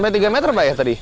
sampai tiga meter pak ya tadi